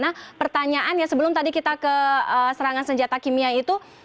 nah pertanyaannya sebelum tadi kita ke serangan senjata kimia itu